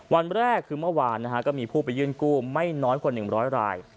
วันแรกคือเมื่อวานก็มีผู้ไปยื่นกู้ไม่น้อยกว่า๑๐๐ราย